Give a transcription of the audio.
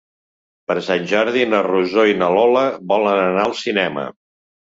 Per Sant Jordi na Rosó i na Lola volen anar al cinema.